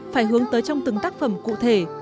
phải hướng tới trong từng tác phẩm cụ thể